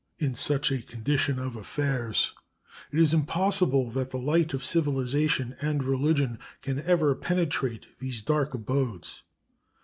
In such a condition of affairs it is impossible that the light of civilization and religion can ever penetrate these dark abodes.